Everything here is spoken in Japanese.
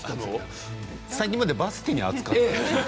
最近までバスケに熱かったよね。